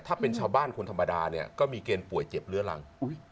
ถ้าเป็นชาวบ้านคนธรรมดาเนี่ยก็มีเกณฑ์ป่วยเจ็บเรื้อรัง